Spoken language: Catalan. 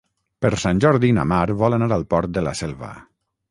Per Sant Jordi na Mar vol anar al Port de la Selva.